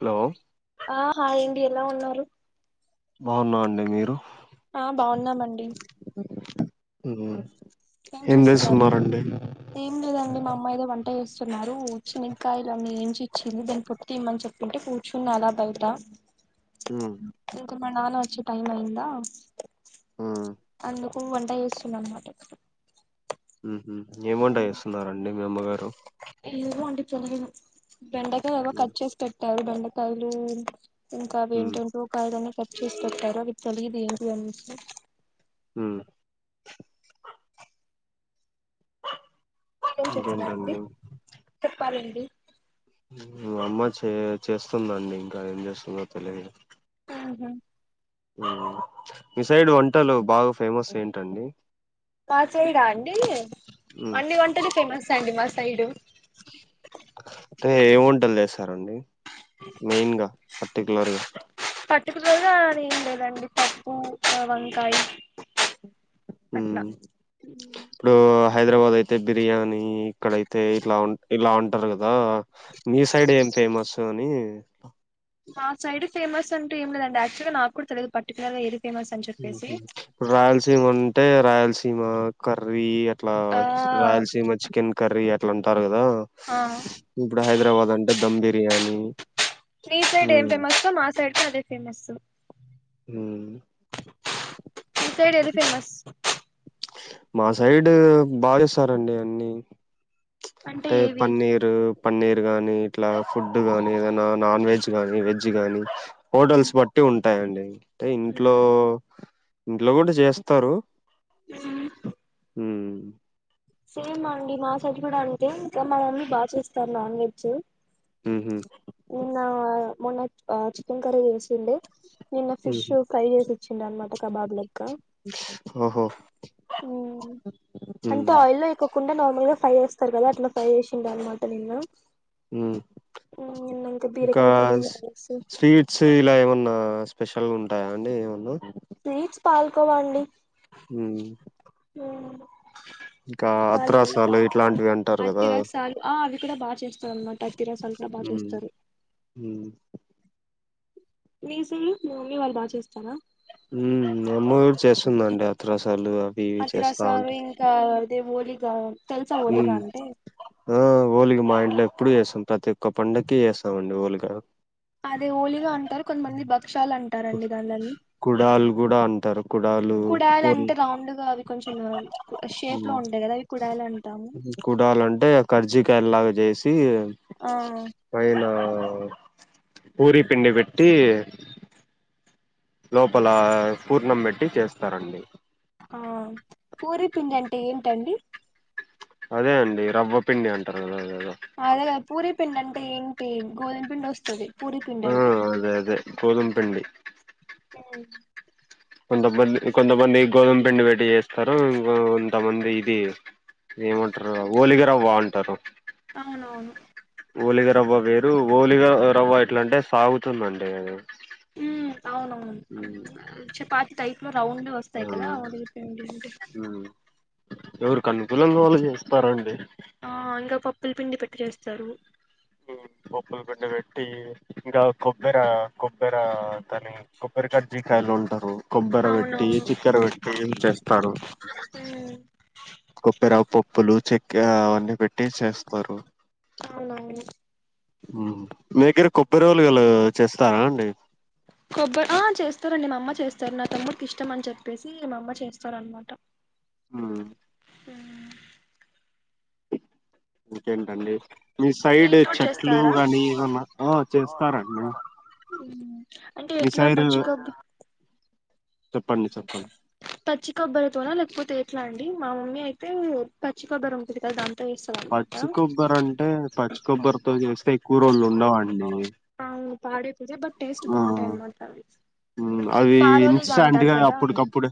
hello ఆ hi అండి ఎలా ఉన్నారు బాగున్నా అండి మీరు ఆ బాగున్నామండి ఏం చేస్తున్నరండి ఏం లేదండి మా అమ్మా ఏదో వంట వేస్తున్నారు శనగకాయలున్నీ ఏం వచ్చింది దాని పొట్టు తిమ్మని చెప్పంటే కూర్చున అలా బయట ఉమ్ మా నాన వచ్చి టైం అయందా ఉమ్ అందుకు వంట చేస్తుందిన్నమాట ఏమ్ వంట చేస్తున్నారండి మీ అమ్మగారు ఏమో అండి బెండకాయలు ఏవో కట్ చేసి పెట్టారు బెండకాయలు ఇంకా అవి ఉమ్ ఏంటంటో కాయలన్నీ కట్ చేసి పెట్టారు అది తెలియదు ఏంటి అని ఉం మీరేం చేస్తున్నారండి ఇంకేంటండి చెప్పాలండి మా అమ్మ చే చేస్తుందండి ఇంకా ఏం చేస్తుందో తెలియదు ఆహ మీ సైడ్ వంటలు బాగా ఫేమస్ ఏంటండి మా సైడా అండి ఉమ్ అన్ని వంటలు ఫేమస్ అండి మా సైడు అంటే ఏం వంటలు చేస్తారండి మెయిన్గా పర్టికులర్గా పట్టిక్యులర్ గా అని ఏం లేదండి పప్పు వంకాయ్ ఉమ్ ఇప్పుడు ఆ హైదరాబాద్ అయితే బిర్యానీ ఇక్కడైతే ఇట్లా ఇలా ఉంటాది కదా మీ సైడ్ ఏం ఫేమస్ అని మా సైడ్ ఫేమస్ అంటే ఏం లేదండి యాక్చువల్గా నా కూడా తెలీదు పర్టికులర్గా ఏ రాయలసీమ అంటే రాయలసీమ కర్రీ అట్లా ఆ రాయలసీమ చికెన్ కర్రీ అట్లా ఉంటాది కదా కదా ఆ ఇప్పుడు హైదరాబాద్ అంటే ధమ్ బిర్యానీ మీ సైడ్ ఏం ఉమ్ ఫేమస్ ఓ మా సైడ్ కూడా అదే ఫేమస్ ఉం మీ సైడ్ ఏది ఫేమస్ మా సైడ్ బాగా చేస్తారండి అన్ని అంటే పన్నీరు పన్నీర్ గాని ఇట్లా ఫుడ్ గాని ఏదనా నాన్ వెజ్ గానీ వెజ్ గాని హోటల్స్ బట్టి ఉంటాయండి అంటే ఇంట్లో ఇంట్లో కూడా చేస్తారు అ హ సేమ్ అండి మా సైడ్ కూడా అంతే ఇంకా మనన్నీ బాగా చేస్తారు నాన్ వెజ్ ఉహు నిన్న మొన్న ఆ చికెన్ కర్రీ చేసి ఉండే నిన్న ఫిష్ ఉహు ఫ్రై చేసి ఇచ్చిందనమాట కబాబ్ లెక్క ఓహో ఉమ్ ఉమ్ ఆయిల్లో ఎయ్యకోకుండా నార్మల్ గా ఫ్రై చేస్తారు కదా అట్లా ఫ్రై చేసిందనమాట నిన్న హ నిన్న ఇంకా బీరకాయ కర్రీ రైస్ స్వీట్స్ ఇలా ఏమన్నా స్పెషల్గా ఉంటాయా అండి ఏమన్నా స్వీట్స్ పాల్కోవండి ఊ [inaudible] ఇకా అత్ర్రాసాలు ఇట్లాంటివి అన్ అతి రసాలు ఆ అవి కూడ బా చేస్తాన్మాట అతి రసాలు కూడ బాగా చేస్తరు ఊ మీర్ సర్ మీ మమ్మీ వాళ్ళు బా చేస్తారా ఉమ్మ్ మామ్మ గూడ చేస్తుందండి అత్రాసాలు అవి ఇవి చేస్తా ఉంటది ది వోలిగా ఉమ్ ఆ ఓలిగ మా ఇంట్లొ ఎప్పుడు జెస్తం ప్రతి ఒక్క పండక్కి జేస్తామండి ఓలిగా అది ఓలిగా అంటారు కొంత్మంది భక్షాలం గుడాలు గుడా అంటారు గుడాలు కుడాయలు పొ అంటే రౌండ్ గా అవి కొంచెం షేప్ లో ఉంటాయి కదా అవి కుడాయలు అంటాము గుడాలంటే కర్జీకాయల్లాగా జేసీ ఆ ఆ పూరీ పిండి బెట్టీ లోపలా పూర్ణం బెట్టి చేస్తారండి ఆ పూరీ పిండంటె ఏంటండి అదే అండి రవ్వ పిండి అంటరు గదా అదే గద పూరీ పిండంటె ఏంటీ గోధమ్పిండొస్తది పూరీ పిండంటె గోధమ్ పిండి ఉ కొంతమందికి కొంతమంది గోధుమ్పిండి బెట్టి జేస్తరూ ఇగ కొంతమంది ఇది ఏమంట్రూ ఓలిగరవ్వాంటరు అవునవును ఓలిగరవ్వ వేరూ ఓలిగ అ రవ్వ ఎట్లంటె సాగుతుందండీది ఊ అవునవును చపాతి టైప్లొ ఆ రౌండ్గొస్తాయి కదా [inaudible] ఎవరికనుకూలంగ వాళ్లు జేస్తారండి ప్పల్ పిండి పెట్టి చేస్తారు మ్మ్ కొప్పుల్ ఎండబెట్టి ఇంగ కొబ్బెరా కొబ్బెరా దాన్ని కొబ్ [unintelligible] కాయలుంటారు కొబ్బర బెట్టీ అవునవును చేక్కెర బెట్టీ చేస్తారు మ్మ్ కొప్పెరా పప్పులు చెక్కెరా అవన్నీ పెట్టీ చేస్తారు అవునవును మ్మ్ మీ దగ్గర కొబ్బరోలుగలా చేస్తారా అండి కొబ్బ ఆ చేస్తారండి మామ్మ చేస్తారు నా తమ్ముడికిష్టమన్ చెప్పేసీ మా అమ్మ చేస్తారన్మాట మ్మ్ [inaudible] ఇంకేంటండి మీ సైడ్ ఇంట్లో కూడా చెట్లు చేస్తారా గానీ ఏమన్నా ఆ చేస్తారండి మ్మ్ అంటే మీ ఎట్ల సైడ్ పచ్చికొబ్బ చెప్పండి చెప్పండి పచ్చి కొబ్బరితోనా లేకపోతే ఎట్లా అం డి మా మమ్మీ అయితే పచ్చి కొబ్బరి ఉంటుది కద పచ్చి కొబ్బరంటే పచ్చి కొబ్బరితో జేస్తే ఎక్కువ్ రోజులుండవండీ ఉ పాడైపోతయ్ బట్ టేస్ట్ బావుంటాయన్మాటా మ్మ్ అవీ ఇన్స్టాంట్ గా అప్పుటికప్పుడె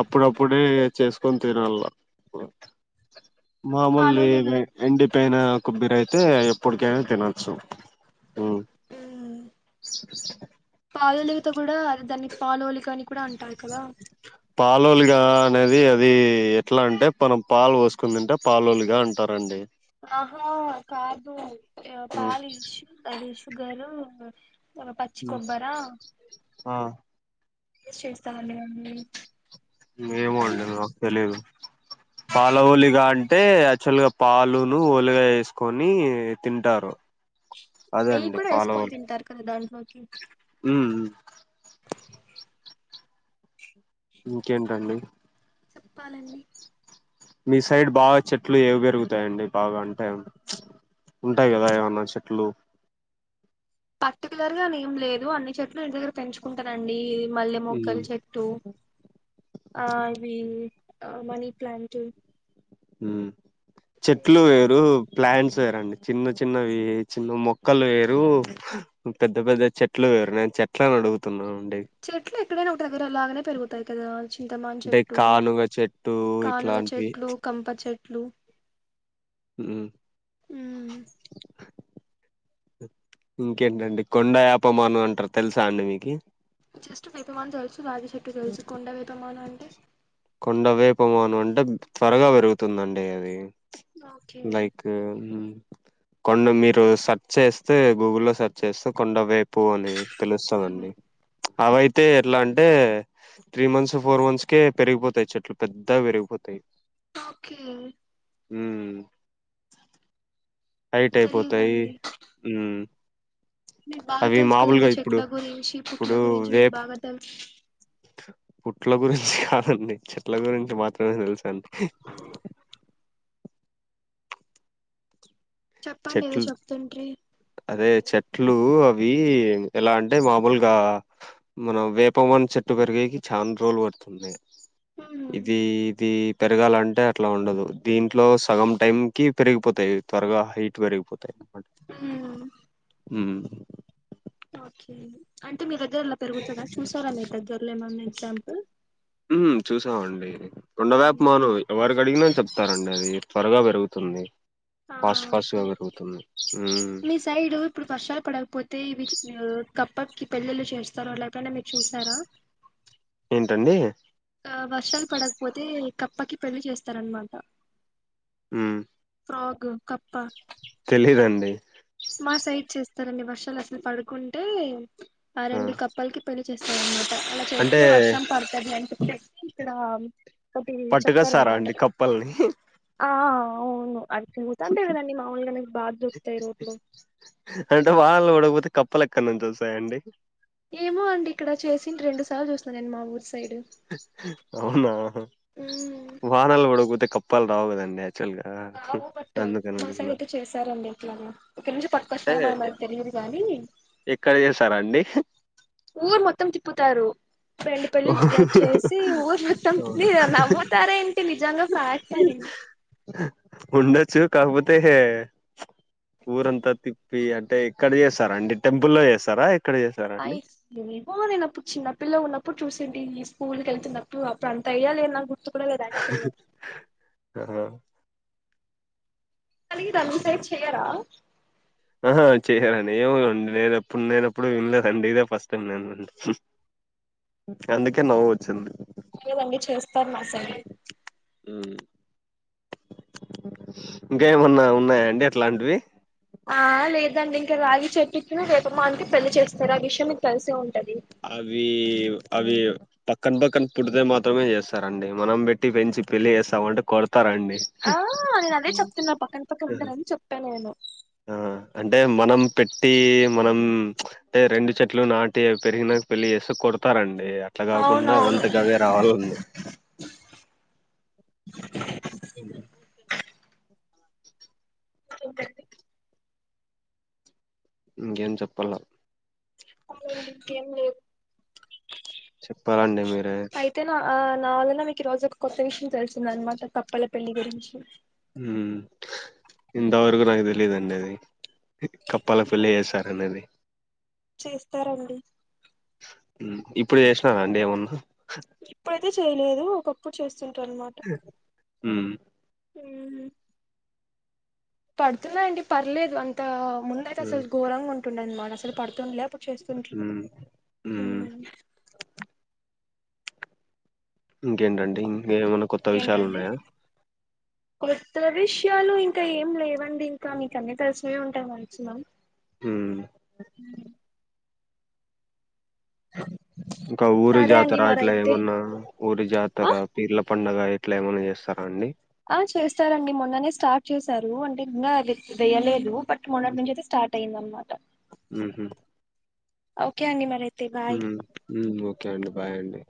అప్పుడప్పుడే పోయి చేసుకొని తినల్ల మామూలు పాలోలిగా ఎండి పైన కొబ్బర అయితే ఎప్పటికైనా తినొచ్చు మ్మ్ పాలోలికతో కూడా అద దాన్ని పాలులి పాలలుగా అనేది అది ఎట్లా అంటే మనం పాలు పోసుకుందంటే పాలులుగా అంటారండి ఆహా కాదు పాలేసి అదిషుగాను ఒక పచ్చి కొబ్బరా ఆ చేస్త మండి మేము ఏమోనండి నాకు తెలీదు పాలవులిగా అంటే అంటే యాక్చువల్ గా పాలును ఓలుగా వేసుకొని తింటారు అదే నెయ్యి అండి కూడా వేసుకొని పాలవలు తింటారు కదా దాంట్లోకి ఉమ్ ఉమ్ ఇంకేంటండి చెప్పాలండి మీ సైడ్ బాగా చెట్లు ఏవి పెరుగుతాయండి బాగా అంటే ఉంటాయి కదా ఏమన్నా చెట్లు పర్టికులర్ గా ఏం లేదు అన్ని చెట్లు నే దగ్గర పెంచుకుంటానండి మల్లె మొగ్గల ఉమ్ చెట్టు ఆ ఇవి ఆ మనీ ప్లాంట్ ఉమ్ చెట్లు ఇంకా వేరు ప్లాంట్స్ వేరండి చిన్న చిన్నవి చిన్న మొక్కలు వేరు పెద్ద పెద్ద చెట్లు వేరు న ఎట్లని అడుగుతున్నాం చెట్లు ఎక్కడైనా ఒక దగ్గరలాగనే పెరుగుతాయి కదా చింతమాన్ అంటే చెట్టు కానుగ చెట్టు కానక ఇట్లాంటివి చెట్లు కంప చెట్టు ట్లు మ్ ఉమ్మ్ ఇంకేంటండి కొండయాపమాను అంటారు తెలుసా అండి మీకి జస్ట్ వేపమాను తెల్సు కొండ వేపమాను అంటె త్వరగా పెరుగుతుందండి అది ఓకే లైక్హ్మ్మ్ కొన్ని మీరు సెర్చ్ చేస్తే గూగుల్లోల్లో సెర్చ్ చేస్తే కొండ వైపు అని తెలుస్తుందండి అవైతే ఎట్లా అంటే త్రీ మంత్స్ ఫోర్ మంత్స్ కే పెరిగిపోతాయి చెట్లు పెద్దగా పెరిగిపోతాయి ఓకే ఉమ్మ్ హైట్ అయిపోతాయి తెలియదండి ఉమ్మ్ మీకు బాగా తెలుసు కదండి చెట్ల గురించి పుట్ల ఇప్పుడు గురించి మీకు వేప్ బాగా తెలుసు పుట్ల గురించి కాదండి చెట్ల గురించి మాత్రమే తెలుసండి చెప్పండి ఏదో చెట్లు చెప్తుండ్రి అదే చెట్లు అవి ఎలా అంటే మామూలుగా మనం వేపమను చెట్టు పెరిగా చానా రోజులు పడుతుంది మ్మ్ ఇది ఇది పెరగాలంటే అట్లా ఉండదు దీంట్లో సగం టైం కి పెరిగిపోతాయి త్వరగా హైట్ పెరిగిపోతాయి మ్మ్ హ్మ్మ్ ఓకే అంటే మీ దగ్గరలా పెరుగుతుందా చూసారా మీ దగ్గరలో ఏమన్నా ఎగ్జాంపుల్ ఉమ్ చూసామండి కొండవేపుమాను ఎవరికి అడిగిన చెప్తారండి అది త్వరగా పెరుగుతుంది ఆ ఫాస్ట్ ఫాస్ట్ ఓకే గా పెరుగుతుంది మ్మ్ మీ సైడ్ ఇప్పుడు వర్షాలు పడకపోతే ఇవి చిన్నవి కప్పక్కి పెళ్ళిళ్ళు చేస్తారు అలాగని మీరు చూసారా టండి ఆ వర్షాలు పడకపోతే కప్పకి పెళ్ళి చేస్తారు అనమాట ఆ అగు కప్ప తెలీదండి మా సైడ్ చేస్తారండి వర్షాలు అసలు పడుకుంటే ఆ రెండు కప్పాలకి పెళ్లి చేస్తారు అనమాట అలా చేస్తే అంటే వర్షం పడతదనీ అని చెప్పేసి ఇక్కడ ఒకటి పట్టుకొస్తారా చెప్తారన్నమాట అండి కప్పల్ని ఆ అవును అది చూస్తంటే కదండి మాముూలుగానే బా దొరుకుతాయి రో అంటే వానాలు పడకపోతే కప్పలు ఎక్కడ నుంచి వస్తాయండి ఏమో అండి ఇక్కడ చేసి రెండు సార్లు చూసిన నేను మా ఊర్ అవునా మ్మ్ వానాలు పడకపోతే కప్పలు రావు కదండి యాక్చువల్ గా రావు బట్ అందుకని మా అడిగిన సైడ్ అయితే చేశారండి ఇట్లానే ఎక్కడ నుంచి పట్టు అంటే కోస్తారో మరి ఎ- మనకు తెలి కానీ ఎక్కడ చేసారాండి ఊరు మొత్తం తిప్పుతారు రెండు పెళ్లిలు ఇలా చేసి ఊరు మొత్తం అవునా మీరు నవ్వుతారే ఏంటి నిజంగా ప్యాక్ట్ అది ఉండొచ్చు కాకపోతే ఊరంతా తిప్పి అంటే ఏక్కడ చేస్తారు అండి టెంపుల్ల్లో చేస్తారా ఎక్కడ చేస్తారా అండి ఐస్ [unintelligible] నేను అప్పు చిన్న పిల్ల గా ఉన్న ప్పుడు చూసింటి నేను స్కూల్ కి వెళ్తునప్పుడు అప్పుడు అంత ఐడియా లేదు అ నాకు గుర్తు కూడా లేదు యాక్చువల్ గా ఆహా ఆవి థా మీ సైడ్ చెయరా ఆహా చేయ్యారండి ఏమండి నేను ఎప్పుడు నేనప్పుడు వినలేదు అండి ఇదే ఫస్ట్ టైమ్ నేను అందుకే నవ్వు వచ్చింది లేదండి చేస్తారు మా సైడు ఉ ఇంకా ఏమన్నా ఉన్నాయాండి అట్లాంటివి ఆ లేదండి ఇంకా రాగి చెట్టు కి ను వేప మాను కి పెళ్లి చేస్తారు ఆ విషయం మీకు తెలిసే ఉంటది అవి అవి పక్కన పక్కన పుడితే మాత్రమే చేస్తారండి మనం పెట్టి పెంచి పెళ్ళి చేస్తామంటే కొ తరండి ఆ నేను అదే చెప్తున్నా పక్కన పక్కన ఉంటారని చెప్పా నేను ఆ అంటే మనం పెట్టి మనం అంటే రెండు చెట్లు నాటి పెరిగినాక పెళ్ళి చేస్తే కొడతారండి అట్లా కాకుండా అవి అవునవును అంతకు అవే రావాలండి [inaudible] ఇంకేంటి ఇంకేం చెప్పాల్ల అవునండి ఇంకేం లేదు చెప్పాలండి మీరే అయితే నా ఆ నా వలన మీకు ఈ రోజు ఒక కొత్త విషయం తెలిసిందనమాట కప్పల పెళ్లి గురించి ఊ ఇంతవరకు నాకు తెలిదండి అది కప్పల పెళ్లి చేస్తారనేది చేస్తారండి ఉ ఇప్పుడు చేసినారా అండి ఏమన్నా ఇప్పుడైతే చేయలేదు ఒకప్పుడు చేస్త హూమ్ ఉమ్ పడుతున్నాయండి పర్లేదు అంతా ముందయితే మ్మ్ అసలు ఘోరంగా ఉంటుండే అన్నమాట అసలు పడుతుండలే అప్పుడు చేస్తుంటడు మ్మ్ మ్మ్ ఉమ్ ఇంకేంటండి ఇంకేమన్నా కొత్త విషయాలు ఇంకేంటండి ఉన్నాయా కొత్త విషయాలు ఇంకా ఏం లేవండి ఇంకా మీకు అన్నీ తెలుసు ఏ ఉంటాయి మంచిగా హ్మ్ ఇంకా ఊరి సరే అండి జాతర ఇట్లా మరైతే ఏమన్నా ఊరి జాతర ఆ పీర్ల పండగ ఇట్లా ఏమన్నా చేస్తారా అండి ఆ చేస్తారండి మొన్ననే స్టార్ట్ చేశారు అంటే ఇ వేయలేదు బట్ మొన్నటి నుంచి అయితే స్టార్ట్ అయింది అన్నమాట ఉహు ఓకే అండి మరి ఉమ్ ఓకే అండి బాయ్ అండి